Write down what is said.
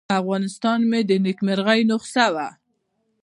افغانستان مې د نیکمرغۍ نسخه وه.